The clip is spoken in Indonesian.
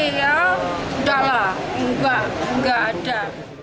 salah enggak enggak ada